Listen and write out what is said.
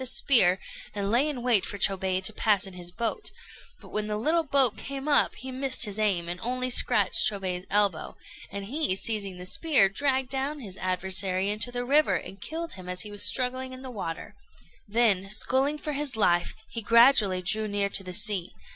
a spear, and lay in wait for Chôbei to pass in his boat; but when the little boat came up, he missed his aim, and only scratched Chôbei's elbow; and he, seizing the spear, dragged down his adversary into the river, and killed him as he was struggling in the water; then, sculling for his life, he gradually drew near to the sea.